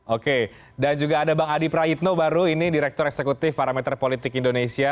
oke dan juga ada bang adi prayitno baru ini direktur eksekutif parameter politik indonesia